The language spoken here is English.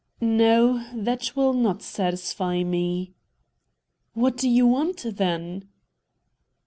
"No; that will not satisfy me." "What do you want, then?"